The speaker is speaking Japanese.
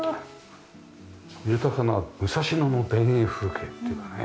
豊かな武蔵野の田園風景っていうかね。